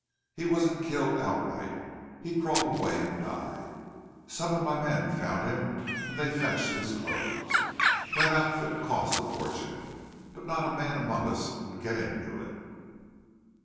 He wasn't killed outright. He crawled away and died. Some of my men found him and they fetched his clothes. That outfit cost a fortune. But not a man among us could get into it."